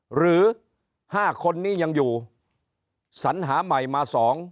หรือ๕คนนี้ยังอยู่สัญหาใหม่มา๒